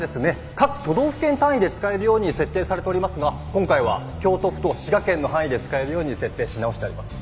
各都道府県単位で使えるように設定されておりますが今回は京都府と滋賀県の範囲で使えるように設定し直してあります。